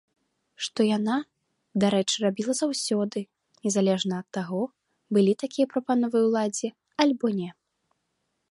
Што яна, дарэчы рабіла заўсёды, незалежна ад таго, былі такія прапановы ўладзе, альбо не.